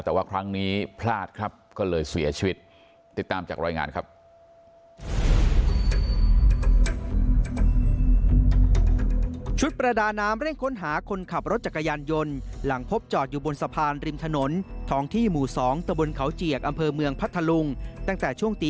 แต่ว่าครั้งนี้พลาดครับก็เลยเสียชีวิต